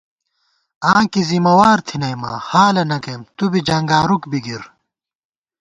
آں کی ذمہ وار تھنَئیما، حالَنہ گَئیم تُو بی جنگارُوک بی گِر